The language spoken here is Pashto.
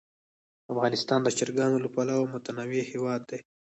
افغانستان د چرګانو له پلوه متنوع هېواد دی.